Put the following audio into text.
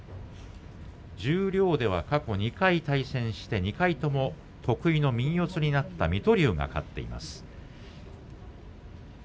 十両では過去２回対戦して２回とも得意の右四つになった水戸龍が勝っています。